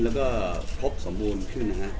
แล้วก็พบสมบูรณ์ขึ้น